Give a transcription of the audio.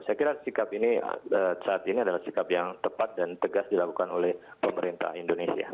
saya kira sikap ini saat ini adalah sikap yang tepat dan tegas dilakukan oleh pemerintah indonesia